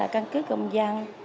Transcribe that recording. căn cứ công dân